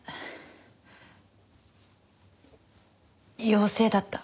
陽性だった。